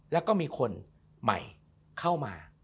แล้วก็มีคนใหม่เข้ามา